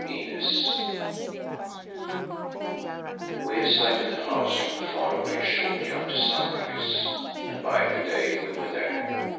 INEZ We had sighted the house from far away shortly after sunrise and by midday we were there.